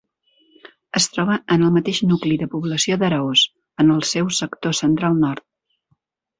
Es troba en el mateix nucli de població d'Araós, en el seu sector central-nord.